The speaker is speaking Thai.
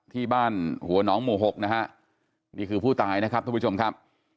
ที่บ้านหัวหนองหมู่๖นะฮะนี่คือผู้ตายนะครับทุกผู้ชมครับ